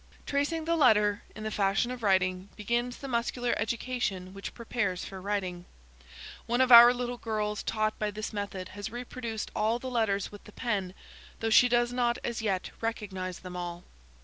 "Tracing the letter, in the fashion of writing, begins the muscular education which prepares for writing. One of our little girls taught by this method has reproduced all the letters with the pen, though she does not as yet recognise them all.